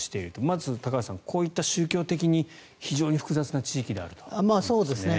まず高橋さんこういった宗教的に非常に複雑な地域であるということですね。